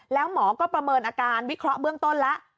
แล้วหมอก็ประเมินอาการวิเคราะห์เบื้องต้นแล้ว